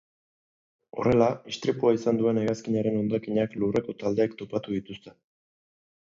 Horrela, istripua izan duen hegazkinaren hondakinak lurreko taldeek topatu dituzte.